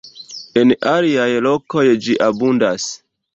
En aliaj lokoj ĝi abundas.